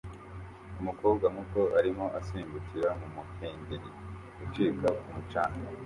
Umukobwa muto arimo asimbukira mu muhengeri ucika ku mucanga